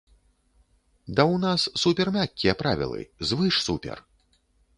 Да ў нас супер мяккія правілы, звыш-супер!